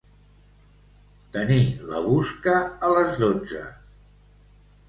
Tenir la busca a les dotze.